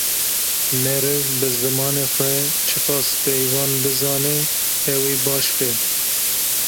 Meriv bi zimanê xwe çi qas peyvan bizane ew ê baş be.